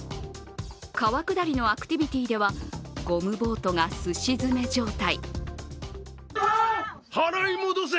川下りのアクティビティーではゴムボートがすし詰め状態。